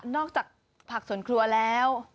นอกจากผักสนครัวแล้ว